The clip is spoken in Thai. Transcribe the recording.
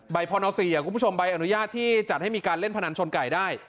พน๔คุณผู้ชมใบอนุญาตที่จัดให้มีการเล่นพนันชนไก่ได้